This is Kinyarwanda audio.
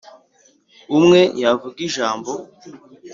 umwe yavuga ijambo